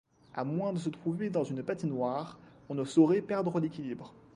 A moins de se trouver dans une patinoire, on ne saurait perdre l'équilibre.